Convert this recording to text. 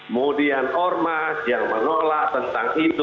modian ormas yang menolak tentang itu